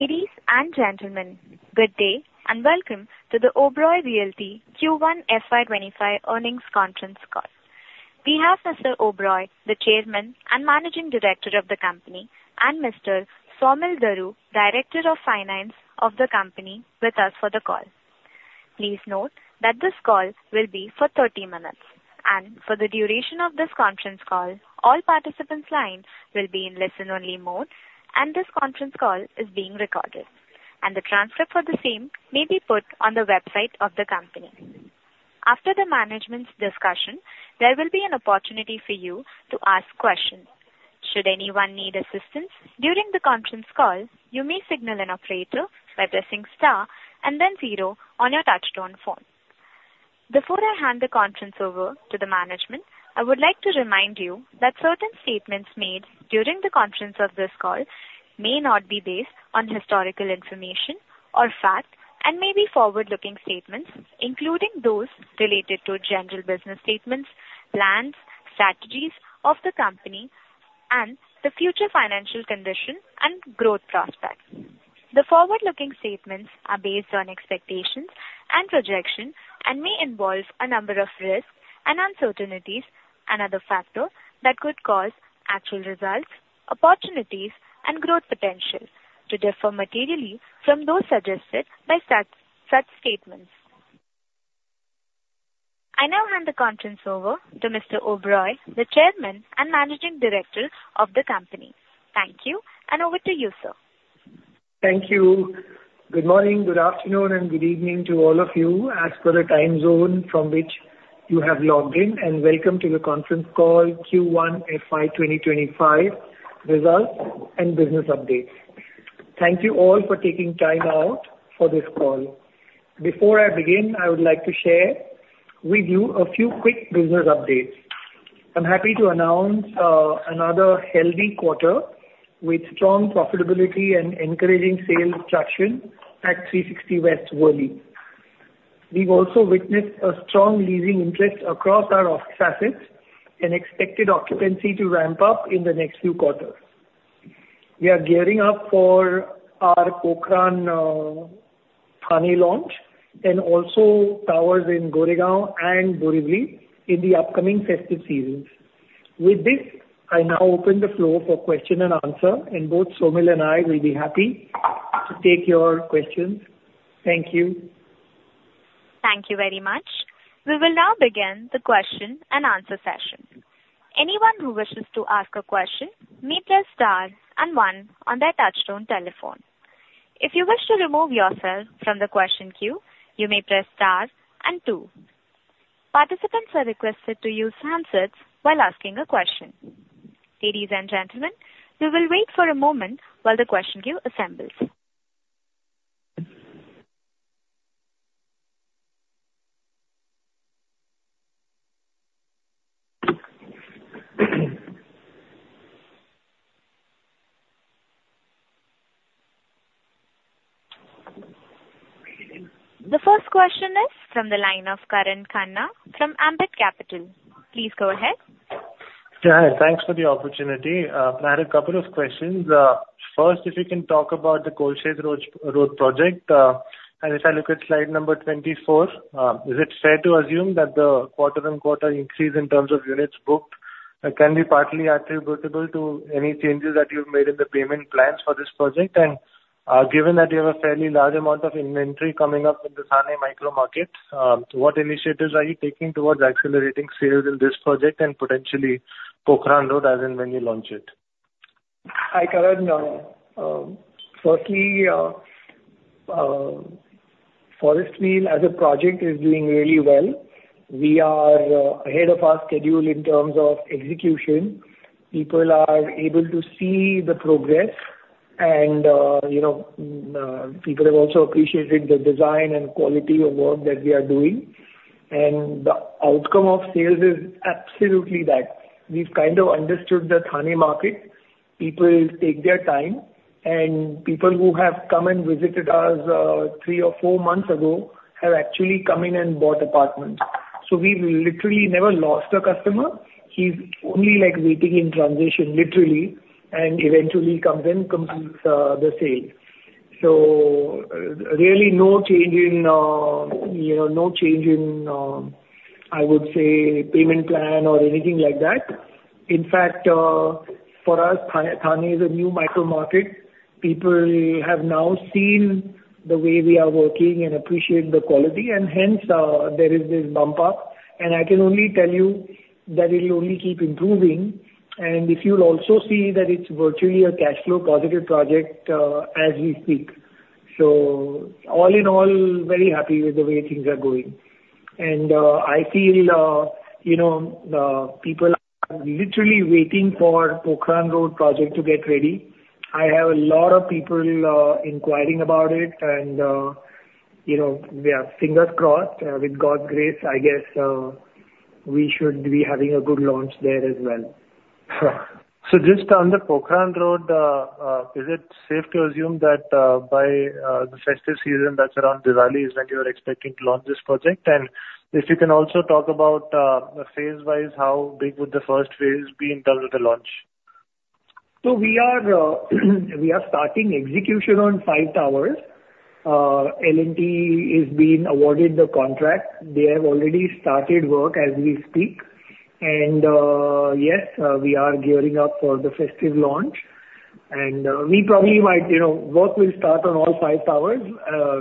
Ladies and gentlemen, good day, and welcome to the Oberoi Realty Q1 FY25 earnings conference call. We have Mr. Oberoi, the Chairman and Managing Director of the company, and Mr. Saumil Daru, Director of Finance of the company, with us for the call. Please note that this call will be for 30 minutes, and for the duration of this conference call, all participants' lines will be in listen-only mode, and this conference call is being recorded, and the transcript for the same may be put on the website of the company. After the management's discussion, there will be an opportunity for you to ask questions. Should anyone need assistance during the conference call, you may signal an operator by pressing star and then zero on your touchtone phone. Before I hand the conference over to the management, I would like to remind you that certain statements made during the conference of this call may not be based on historical information or fact, and may be forward-looking statements, including those related to general business statements, plans, strategies of the company, and the future financial condition and growth prospects. The forward-looking statements are based on expectations and projections and may involve a number of risks and uncertainties, another factor that could cause actual results, opportunities, and growth potential to differ materially from those suggested by such, such statements. I now hand the conference over to Mr. Oberoi, the Chairman and Managing Director of the company. Thank you, and over to you, sir. Thank you. Good morning, good afternoon, and good evening to all of you as per the time zone from which you have logged in, and welcome to the conference call Q1 FY 2025 results and business updates. Thank you all for taking time out for this call. Before I begin, I would like to share with you a few quick business updates. I'm happy to announce another healthy quarter with strong profitability and encouraging sales traction at 360 West Worli. We've also witnessed a strong leasing interest across our office assets and expected occupancy to ramp up in the next few quarters. We are gearing up for our Pokhran, Thane launch, and also towers in Goregaon and Borivali in the upcoming festive seasons. With this, I now open the floor for question and answer, and both Saumil and I will be happy to take your questions. Thank you. Thank you very much. We will now begin the question and answer session. Anyone who wishes to ask a question may press star and one on their touchtone telephone. If you wish to remove yourself from the question queue, you may press stars and two. Participants are requested to use handsets while asking a question. Ladies and gentlemen, we will wait for a moment while the question queue assembles. The first question is from the line of Karan Khanna from Ambit Capital. Please go ahead. Yeah, thanks for the opportunity. I had a couple of questions. First, if you can talk about the Kolshet Road project, and if I look at slide number 24, is it fair to assume that the quarter-on-quarter increase in terms of units booked can be partly attributable to any changes that you've made in the payment plans for this project? And, given that you have a fairly large amount of inventory coming up in the Thane micro market, what initiatives are you taking towards accelerating sales in this project and potentially Pokhran Road, as in when you launch it? Hi, Karan. Firstly, Forestville as a project is doing really well. We are ahead of our schedule in terms of execution. People are able to see the progress, and, you know, people have also appreciated the design and quality of work that we are doing. And the outcome of sales is absolutely that. We've kind of understood the Thane market. People take their time, and people who have come and visited us, three or four months ago, have actually come in and bought apartments. So we've literally never lost a customer. He's only, like, waiting in transition, literally, and eventually comes in, completes the sale. So really, no change in, you know, no change in, I would say, payment plan or anything like that. In fact, for us, Thane, Thane is a new micro market. People have now seen the way we are working and appreciate the quality, and hence, there is this bump up, and I can only tell you that it'll only keep improving. And if you'll also see that it's virtually a cash flow positive project, as we speak. So all in all, very happy with the way things are going. And, I feel, you know, people are literally waiting for Pokhran Road project to get ready. I have a lot of people, inquiring about it, and, you know, we are fingers crossed. With God's grace, I guess, we should be having a good launch there as well. Just on the Pokhran Road, is it safe to assume that, by the festive season that's around Diwali, is that you're expecting to launch this project? And if you can also talk about, phase-wise, how big would the first phase be in terms of the launch? So we are, we are starting execution on five towers. L&T is being awarded the contract. They have already started work as we speak. And yes, we are gearing up for the festive launch, and we probably might, you know, work will start on all five towers.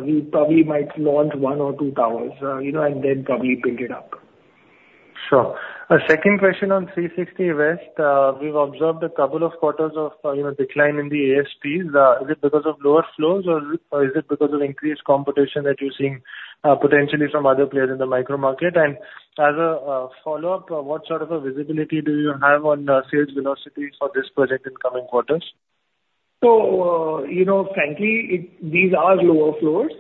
We probably might launch one or two towers, you know, and then probably build it up. Sure. A second question on 360 West. We've observed a couple of quarters of, you know, decline in the ASPs. Is it because of lower flows, or is it because of increased competition that you're seeing, potentially from other players in the micro market? And as a follow-up, what sort of a visibility do you have on sales velocity for this project in coming quarters? So, you know, frankly, these are lower floors.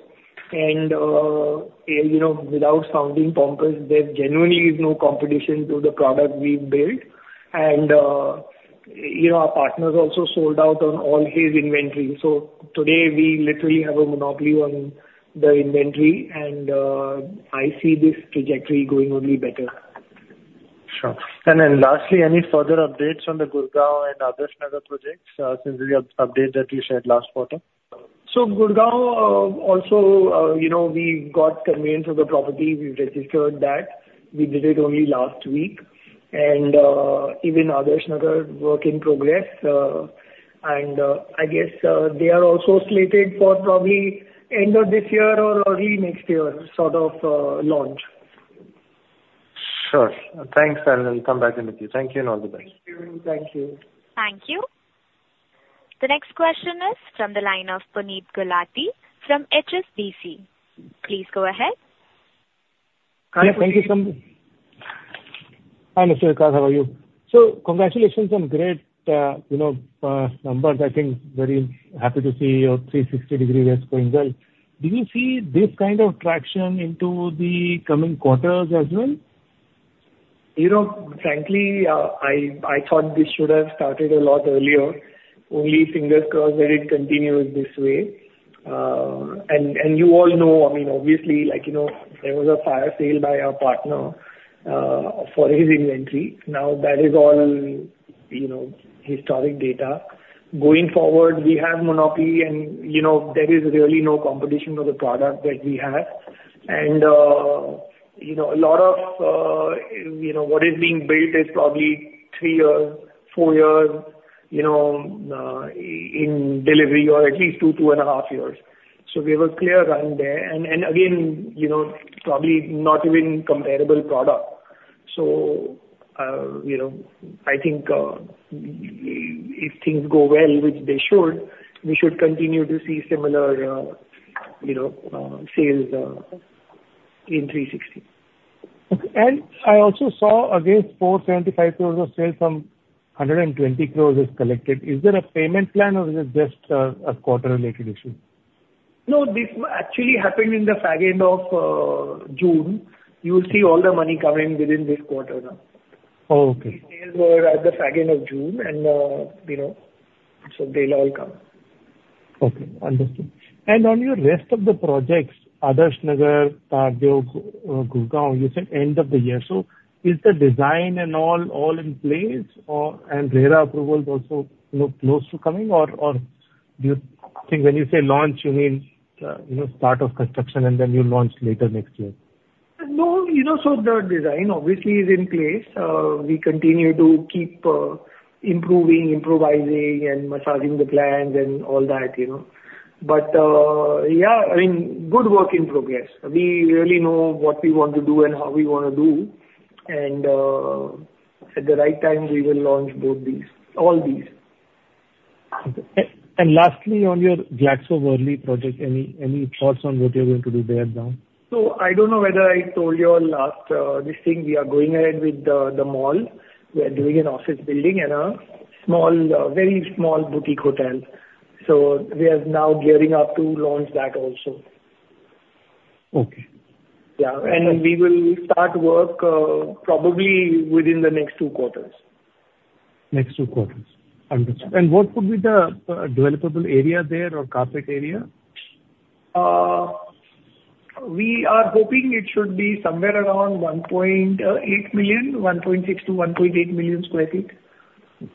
And, you know, without sounding pompous, there genuinely is no competition to the product we've built. And, you know, our partners also sold out on all his inventory. So today, we literally have a monopoly on the inventory, and, I see this trajectory going only better. Sure. And then lastly, any further updates on the Gurgaon and Adarsh Nagar projects since the update that you shared last quarter? So Gurugram, also, you know, we got conveyance of the property. We've registered that. We did it only last week. And, even Adarsh Nagar work in progress. And, I guess, they are also slated for probably end of this year or early next year, sort of, launch. Sure. Thanks, and I'll come back in with you. Thank you, and all the best. Thank you. Thank you. Thank you. The next question is from the line of Puneet Gulati from HSBC. Please go ahead. Hi, Puneet. Thank you, Saumil. Hi, Mr. Vikas, how are you? So congratulations on great, you know, numbers. I think very happy to see your 360 West going well. Do you see this kind of traction into the coming quarters as well? You know, frankly, I thought this should have started a lot earlier. Only fingers crossed that it continues this way. And you all know, I mean, obviously, like, you know, there was a fire sale by our partner for his inventory. Now, that is all, you know, historic data. Going forward, we have monopoly and, you know, there is really no competition for the product that we have. And you know, a lot of what is being built is probably three years, four years, you know, in delivery, or at least two, 2.5 years. So we have a clear run there. And again, you know, probably not even comparable product. You know, I think, if things go well, which they should, we should continue to see similar, you know, sales in 360. Okay. And I also saw, again, 475 crore of sales from 120 crore is collected. Is there a payment plan, or is it just a quarter-related issue? No, this actually happened in the second half of June. You'll see all the money coming within this quarter now. Okay. The sales were at the second of June, and, you know, so they'll all come. Okay. Understood. And on your rest of the projects, Adarsh Nagar, Tardeo, Gurgaon, you said end of the year. So is the design and all, all in place or... And RERA approvals also look close to coming? Or do you think when you say launch, you mean, you know, start of construction, and then you launch later next year? No, you know, so the design obviously is in place. We continue to keep improving, improvising, and massaging the plans and all that, you know. But, yeah, I mean, good work in progress. We really know what we want to do and how we want to do, and at the right time, we will launch both these, all these. Okay. And lastly, on your Glaxo Worli project, any thoughts on what you're going to do there now? So, I don't know whether I told you all last this thing. We are going ahead with the mall. We are doing an office building and a small, very small boutique hotel. So we are now gearing up to launch that also. Okay. Yeah. Okay. We will start work, probably within the next two quarters. Next two quarters. Understood. And what would be the, developable area there or carpet area? We are hoping it should be somewhere around 1.8 million sq ft, 1.6-1.8 million sq ft.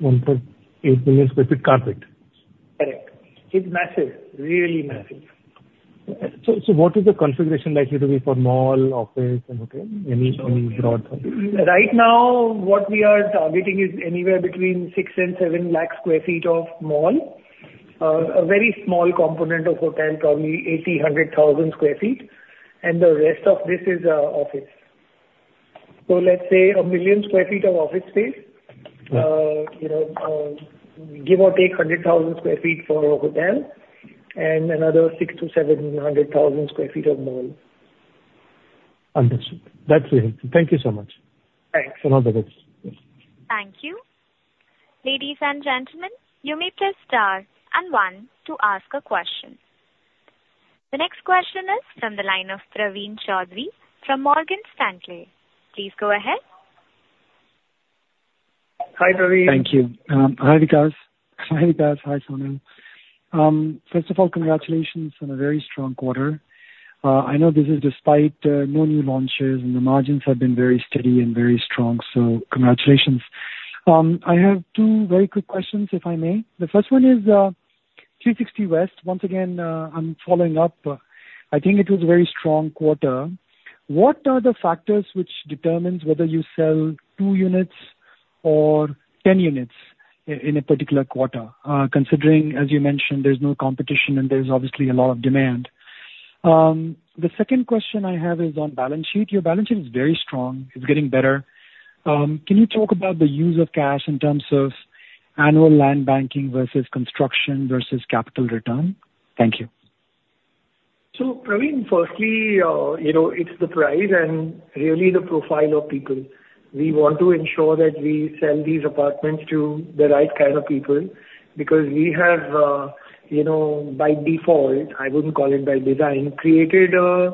1.8 million sq ft carpet? Correct. It's massive, really massive. So, what is the configuration likely to be for mall, office, and hotel? Any broad thing. Right now, what we are targeting is anywhere between 6 and 7 lakh sq ft of mall. A very small component of hotel, probably 80-100 thousand sq ft, and the rest of this is office. So let's say 1 million sq ft of office space. Okay. you know, give or take 100,000 sq ft for hotel, and another 600,000-700,000 sq ft of mall. Understood. That's very helpful. Thank you so much. Thanks. All the best. Yes. Thank you. Ladies and gentlemen, you may press star and one to ask a question. The next question is from the line of Praveen Choudhary from Morgan Stanley. Please go ahead. Hi, Praveen. Thank you. Hi, Vikas. Hi, Vikas. Hi, Saumil.... First of all, congratulations on a very strong quarter. I know this is despite no new launches, and the margins have been very steady and very strong, so congratulations. I have two very quick questions, if I may. The first one is 360 West. Once again, I'm following up. I think it was a very strong quarter. What are the factors which determines whether you sell two units or 10 units in a particular quarter? Considering, as you mentioned, there's no competition and there's obviously a lot of demand. The second question I have is on balance sheet. Your balance sheet is very strong, it's getting better. Can you talk about the use of cash in terms of annual land banking versus construction versus capital return? Thank you. So, Praveen, firstly, you know, it's the price and really the profile of people. We want to ensure that we sell these apartments to the right kind of people, because we have, you know, by default, I wouldn't call it by design, created a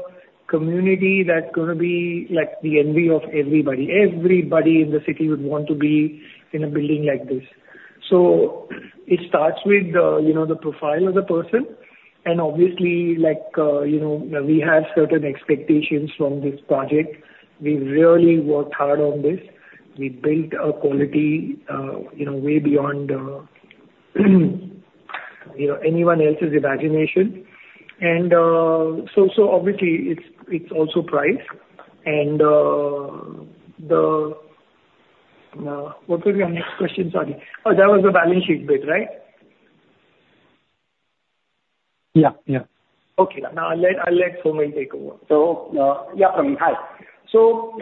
community that's gonna be like the envy of everybody. Everybody in the city would want to be in a building like this. So it starts with, you know, the profile of the person, and obviously, like, you know, we have certain expectations from this project. We really worked hard on this. We built a quality, you know, way beyond, you know, anyone else's imagination. And, so, so obviously, it's, it's also price. And, the... What was your next question? Sorry. Oh, that was the balance sheet bit, right? Yeah. Yeah. Okay. Now, I'll let Saumil take over. So, yeah, Praveen, hi. So,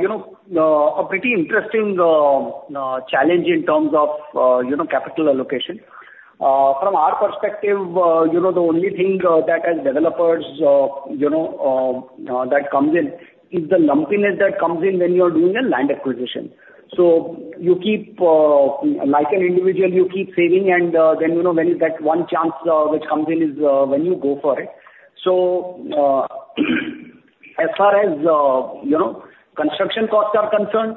you know, a pretty interesting challenge in terms of, you know, capital allocation. From our perspective, you know, the only thing that as developers, you know, that comes in, is the lumpiness that comes in when you are doing a land acquisition. So you keep, like an individual, you keep saving, and, then, you know, when that one chance which comes in, is when you go for it. So, as far as, you know, construction costs are concerned,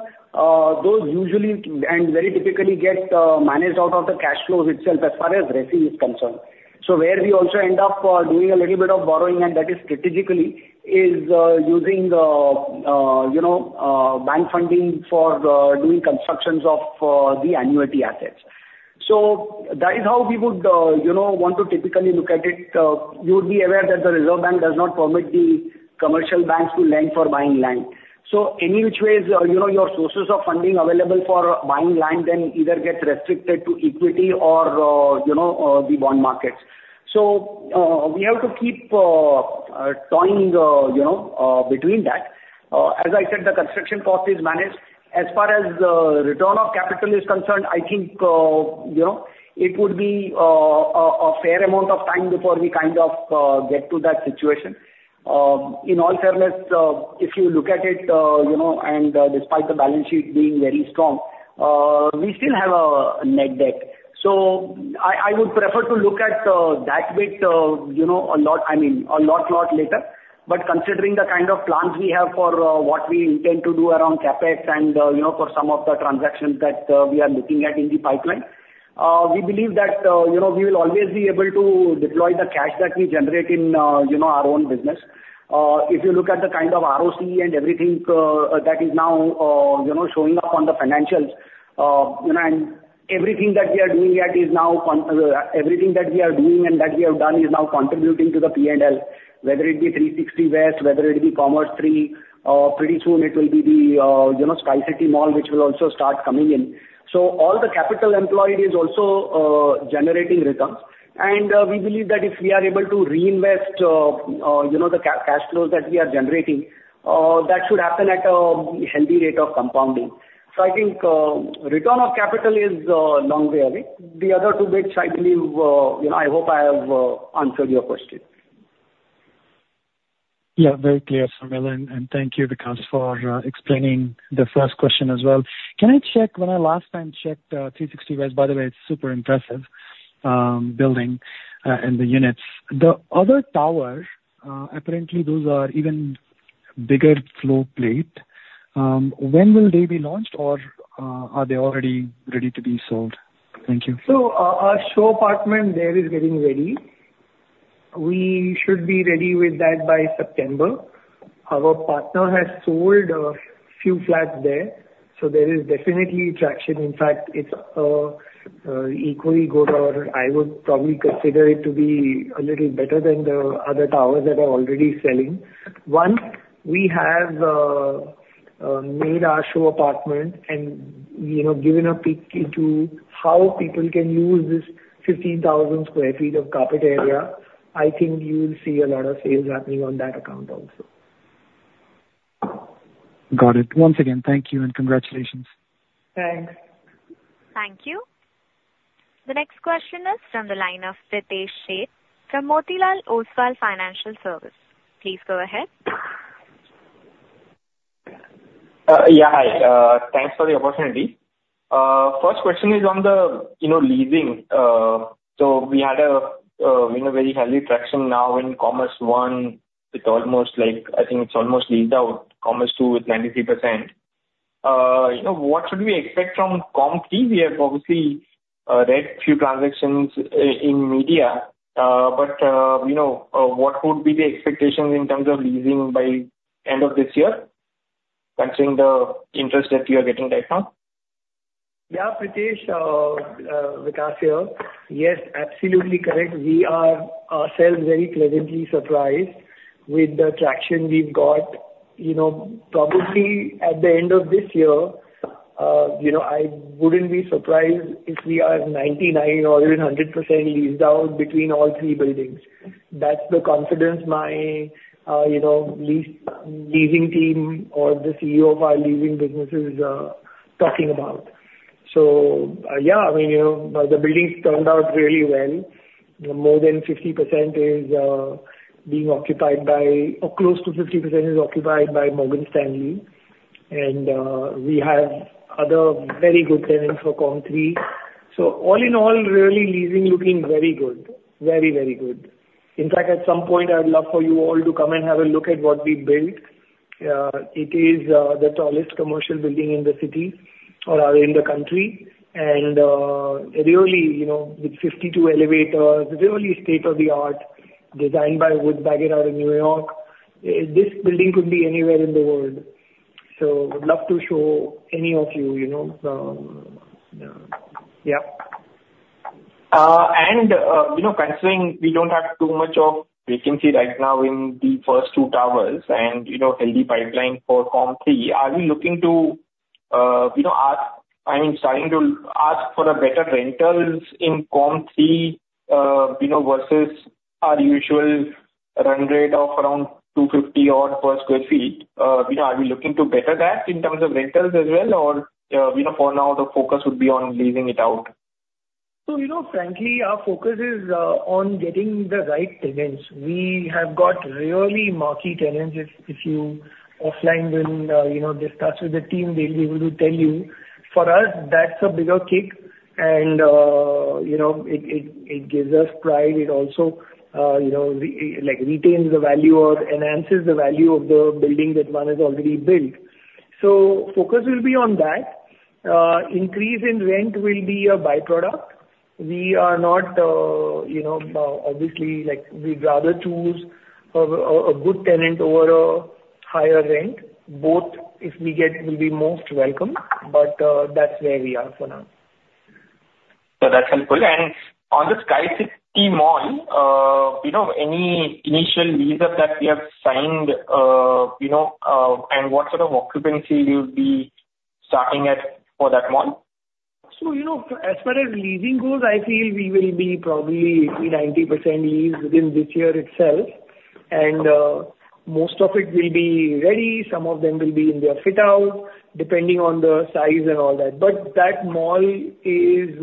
those usually and very typically get managed out of the cash flows itself as far as raising is concerned. So where we also end up doing a little bit of borrowing, and that is strategically, is using, you know, bank funding for doing constructions of the annuity assets. So that is how we would, you know, want to typically look at it. You would be aware that the Reserve Bank does not permit the commercial banks to lend for buying land. So any which ways, you know, your sources of funding available for buying land then either gets restricted to equity or, you know, the bond markets. So, we have to keep toying, you know, between that. As I said, the construction cost is managed. As far as return of capital is concerned, I think, you know, it would be a fair amount of time before we kind of get to that situation. In all fairness, if you look at it, you know, and despite the balance sheet being very strong, we still have a net debt. So I would prefer to look at that bit, you know, a lot, I mean, a lot, lot later. But considering the kind of plans we have for what we intend to do around CapEx and, you know, for some of the transactions that we are looking at in the pipeline, we believe that, you know, we will always be able to deploy the cash that we generate in, you know, our own business. If you look at the kind of ROC and everything, that is now, you know, showing up on the financials, and everything that we are doing and that we have done is now contributing to the P&L, whether it be 360 West, whether it be Commerz III, or pretty soon it will be the, you know, Sky City Mall, which will also start coming in. So all the capital employed is also generating returns. And we believe that if we are able to reinvest, you know, the cash flows that we are generating, that should happen at a healthy rate of compounding. So I think return of capital is long way away. The other two bits, I believe, you know, I hope I have answered your question. Yeah, very clear, Saumil, and thank you, Vikas, for explaining the first question as well. Can I check, when I last time checked, 360 West, by the way, it's super impressive building, and the units. The other tower, apparently those are even bigger floor plate. When will they be launched, or are they already ready to be sold? Thank you. So, our show apartment there is getting ready. We should be ready with that by September. Our partner has sold a few flats there, so there is definitely traction. In fact, it's equally good, or I would probably consider it to be a little better than the other towers that are already selling. Once we have made our show apartment and, you know, given a peek into how people can use this 15,000 sq ft of carpet area, I think you'll see a lot of sales happening on that account also. Got it. Once again, thank you and congratulations. Thanks. Thank you. The next question is from the line of Pritesh Sheth from Motilal Oswal Financial Services. Please go ahead. Yeah, hi. Thanks for the opportunity. First question is on the, you know, leasing. So we had a, you know, very heavy traction now in Commerz I. It's almost like... I think it's almost leased out. Commerz II is 93%.... you know, what should we expect from Commerz III? We have obviously read few transactions in media, but, you know, what would be the expectations in terms of leasing by end of this year, considering the interest that you are getting right now? Yeah, Pritesh, Vikas here. Yes, absolutely correct. We are ourselves very pleasantly surprised with the traction we've got. You know, probably at the end of this year, you know, I wouldn't be surprised if we are 99% or even 100% leased out between all three buildings. That's the confidence my, you know, lease, leasing team or the CEO of our leasing business is, talking about. So, yeah, I mean, you know, the buildings turned out really well. More than 50% is, being occupied by, or close to 50% is occupied by Morgan Stanley. And, we have other very good tenants for Com III. So all in all, really leasing looking very good. Very, very good. In fact, at some point, I'd love for you all to come and have a look at what we built. It is the tallest commercial building in the city or in the country. And really, you know, with 52 elevators, really state-of-the-art, designed by Woods Bagot out of New York. This building could be anywhere in the world. So would love to show any of you, you know, yeah. And, you know, considering we don't have too much of vacancy right now in the first two towers and, you know, healthy pipeline for Com III, are we looking to, you know, I mean, starting to ask for a better rentals in Com III, you know, versus our usual run rate of around 250 odd per sq ft? you know, are we looking to better that in terms of rentals as well? Or, you know, for now, the focus would be on leasing it out. So, you know, frankly, our focus is on getting the right tenants. We have got really marquee tenants. If, if you offline when, you know, discuss with the team, they'll be able to tell you. For us, that's a bigger kick, and, you know, it gives us pride. It also, you know, like, retains the value or enhances the value of the building that one has already built. So focus will be on that. Increase in rent will be a by-product. We are not, you know, obviously, like, we'd rather choose a good tenant over a higher rent. Both, if we get, will be most welcome, but, that's where we are for now. So that's helpful. On the Sky City Mall, you know, any initial leases that we have signed, you know, and what sort of occupancy you'll be starting at for that mall? So, you know, as far as leasing goes, I feel we will be probably 80%-90% leased within this year itself. And most of it will be ready, some of them will be in their fit-out, depending on the size and all that. But that mall is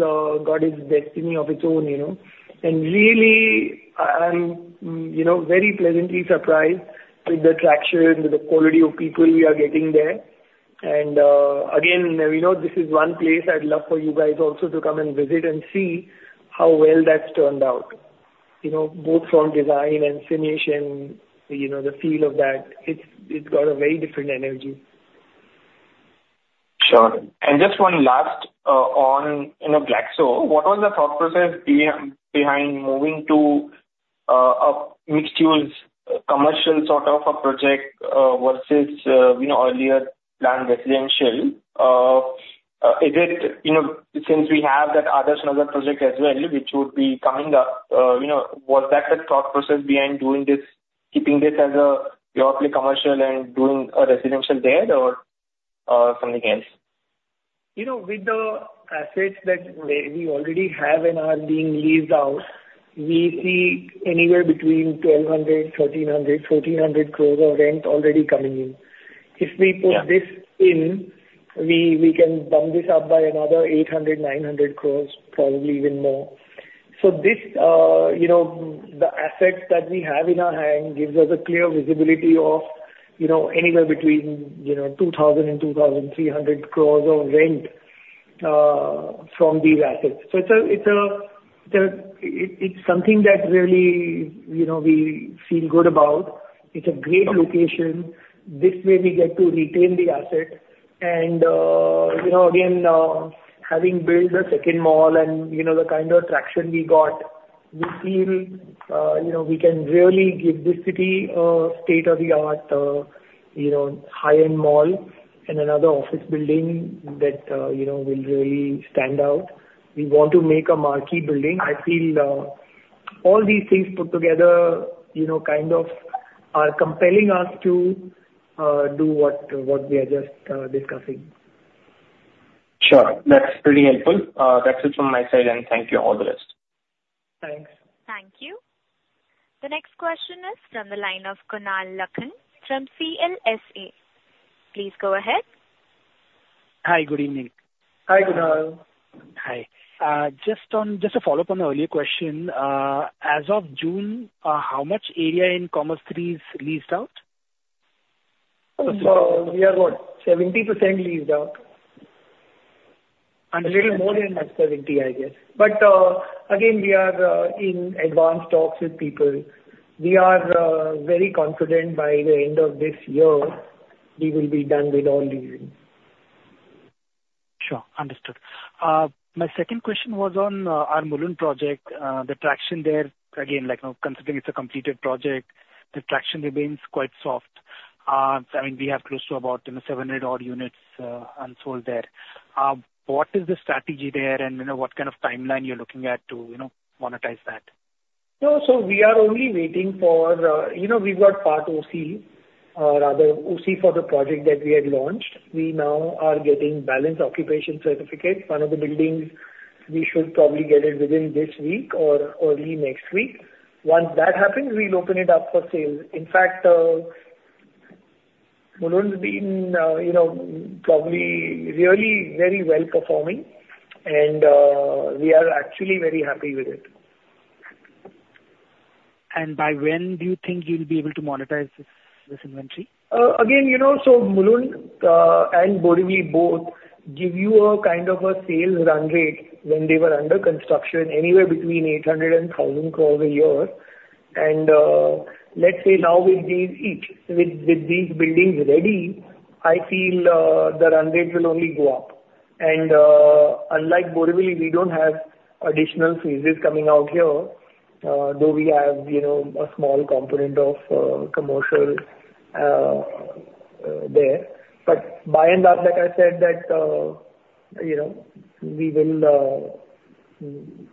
got its destiny of its own, you know. And really, I'm, you know, very pleasantly surprised with the traction, with the quality of people we are getting there. And again, you know, this is one place I'd love for you guys also to come and visit and see how well that's turned out. You know, both from design and finish and, you know, the feel of that, it's got a very different energy. Sure. Just one last, on, you know, Blackstone. What was the thought process behind moving to, a mixed-use commercial sort of a project, versus, you know, earlier planned residential? Is it, you know, since we have that Adarsh Nagar project as well, which would be coming up, was that the thought process behind doing this, keeping this as a purely commercial and doing a residential there or, something else? You know, with the assets that we already have and are being leased out, we see anywhere between 1,200, 1,300, 1,400 crore of rent already coming in. Yeah. If we put this in, we can bump this up by another 800-900 crore, probably even more. So this, you know, the assets that we have in our hand gives us a clear visibility of, you know, anywhere between, you know, 2,000-2,300 crore of rent from these assets. So it's a, it's a... It's something that really, you know, we feel good about. It's a great location. Okay. This way we get to retain the asset. And, you know, again, having built the second mall and, you know, the kind of traction we got, we feel, you know, we can really give this city a state-of-the-art, you know, high-end mall and another office building that, you know, will really stand out. We want to make a marquee building. I feel, all these things put together, you know, kind of, are compelling us to do what, what we are just discussing. Sure. That's pretty helpful. That's it from my side, and thank you all the best. Thanks. Thank you. The next question is from the line of Kunal Lakhan from CLSA. Please go ahead. Hi, good evening. Hi, Kunal. Hi. Just on, just to follow up on the earlier question, as of June, how much area in Commerz III is leased out? We are about 70% leased out. A little more than uncertainty, I guess. But, again, we are in advanced talks with people. We are very confident by the end of this year, we will be done with all these. Sure, understood. My second question was on our Mulund project. The traction there, again, like now considering it's a completed project, the traction remains quite soft. I mean, we have close to about, you know, 700 odd units unsold there. What is the strategy there, and, you know, what kind of timeline you're looking at to, you know, monetize that? No, so we are only waiting for, you know, we've got part OC, or rather OC for the project that we had launched. We now are getting balance occupation certificates. One of the buildings, we should probably get it within this week or early next week. Once that happens, we'll open it up for sale. In fact, Mulund's been, you know, probably really very well-performing, and we are actually very happy with it. By when do you think you'll be able to monetize this, this inventory? Again, you know, so Mulund and Borivali both give you a kind of a sales run rate when they were under construction, anywhere between 800-1,000 crores a year. And, let's say now with these each, with these buildings ready, I feel, the run rates will only go up. And, unlike Borivali, we don't have additional phases coming out here, though we have, you know, a small component of commercial there. But by and large, like I said, that, you know, we will,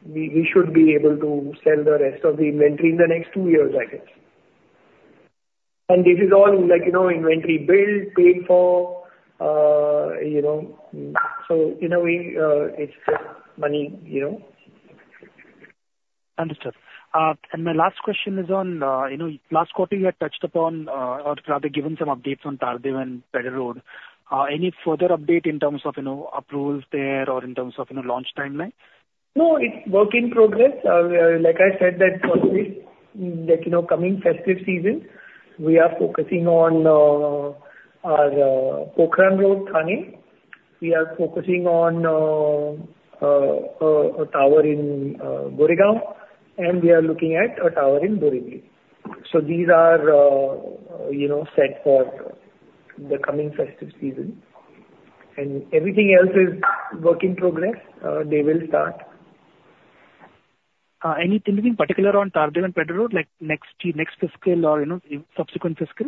we should be able to sell the rest of the inventory in the next two years, I guess. And this is all like, you know, inventory built, paid for, you know. So in a way, it's just money, you know? Understood. And my last question is on, you know, last quarter you had touched upon, or rather given some updates on Tardeo and Pedder Road. Any further update in terms of, you know, approvals there or in terms of, you know, launch timeline? No, it's work in progress. Like I said, that first week, that, you know, coming festive season, we are focusing on our a tower in Goregaon, and we are looking at a tower in Borivali. So these are, you know, set for the coming festive season, and everything else is work in progress. They will start. Anything in particular on Tardeo and Pedder Road, like next year, next fiscal or, you know, subsequent fiscal?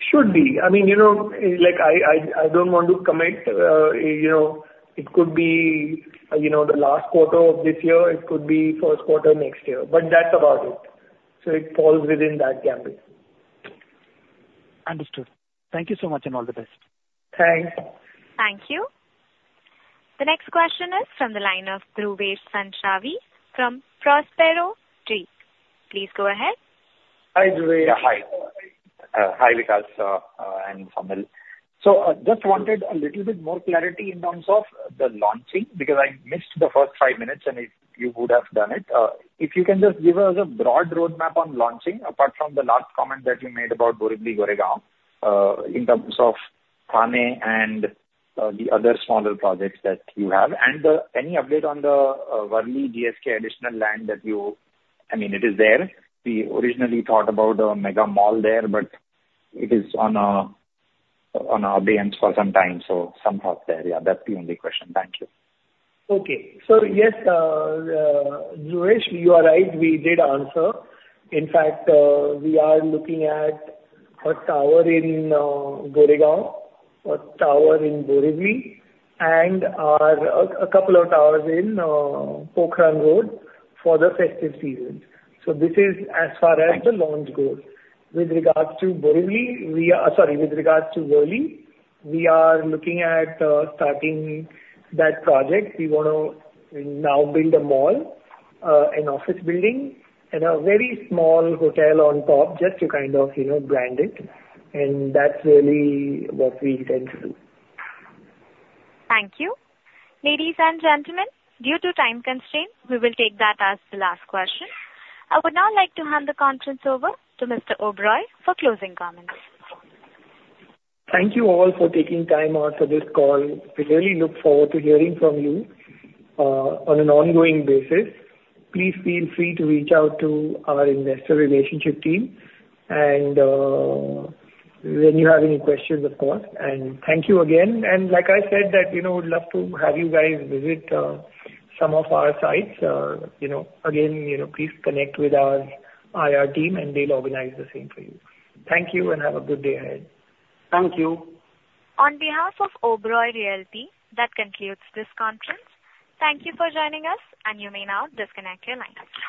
Should be. I mean, you know, like I don't want to commit, you know, it could be, you know, the last quarter of this year, it could be first quarter next year, but that's about it. So it falls within that gamut. Understood. Thank you so much, and all the best. Thanks. Thank you. The next question is from the line of Dhruvesh Sanghvi from Prospero Tree Capital. Please go ahead. Hi, Dhruvesh. Yeah, hi. Hi, Vikas, and Saumil. So, just wanted a little bit more clarity in terms of the launching, because I missed the first five minutes, and if you would have done it. If you can just give us a broad roadmap on launching, apart from the last comment that you made about Borivali, Goregaon, in terms of Thane and the other smaller projects that you have. And any update on the Worli GSK additional land that you... I mean, it is there. We originally thought about a mega mall there, but it is on our bench for some time, so somehow there. Yeah, that's the only question. Thank you. Okay. So yes, Dhruvesh, you are right, we did answer. In fact, we are looking at a tower in Goregaon, a tower in Borivali, and a couple of towers in Pokhran Road for the festive season. So this is as far as the launch goes. Thank you. With regards to Worli, we are looking at starting that project. We want to now build a mall, an office building and a very small hotel on top, just to kind of, you know, brand it. And that's really what we intend to do. Thank you. Ladies and gentlemen, due to time constraints, we will take that as the last question. I would now like to hand the conference over to Mr. Oberoi for closing comments. Thank you all for taking time out for this call. We really look forward to hearing from you on an ongoing basis. Please feel free to reach out to our investor relationship team, and when you have any questions, of course, and thank you again. And like I said, that, you know, we'd love to have you guys visit some of our sites, you know. Again, you know, please connect with our IR team, and they'll organize the same for you. Thank you, and have a good day ahead. Thank you. On behalf of Oberoi Realty, that concludes this conference. Thank you for joining us, and you may now disconnect your lines.